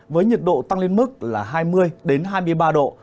với nhiệt độ tăng lên mức là hai mươi hai mươi ba độ